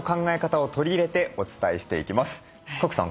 賀来さん